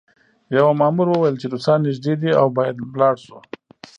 یوه مامور وویل چې روسان نږدې دي او باید لاړ شو